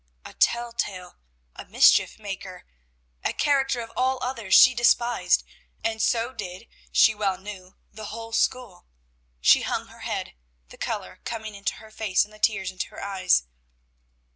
A tell tale! A mischief maker! A character of all others she despised, and so did, she well knew, the whole school. She hung her head, the color coming into her face, and the tears into her eyes.